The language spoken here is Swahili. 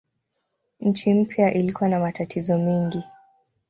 Nchi mpya ilikuwa na matatizo mengi.